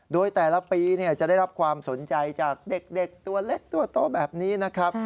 โดยแต่ละปีจะได้รับความสนใจจากเด็กตัวเล็กตัวโตแบบนี้นะครับ